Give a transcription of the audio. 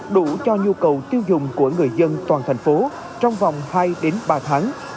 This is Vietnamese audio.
đủ cho nhu cầu tiêu dùng của người dân toàn thành phố trong vòng hai ba tháng